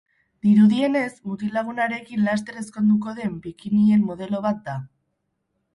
Dirudienez mutil-lagunarekin laster ezkonduko den bikinien modelo bat da.